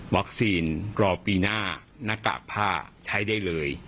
วัคซีนรอปีหน้านักกะผ้าใช้ได้เลย